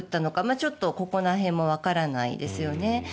ちょっとここら辺もわからないですよね。